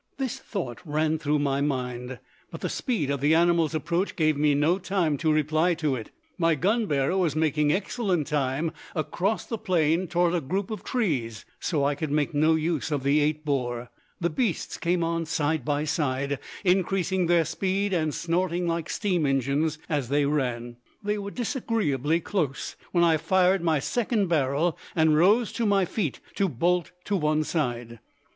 This thought ran through my mind, but the speed of the animals' approach gave me no time to reply to it. My gun bearer was making excellent time across the plain toward a group of trees, so I could make no use of the 8 bore. The beasts came on side by side, increasing their speed and snorting like steam engines as they ran. They were disagreeably close when I fired my second barrel and rose to my feet to bolt to one side.